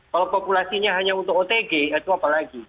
kalau populasinya hanya untuk otg itu apa lagi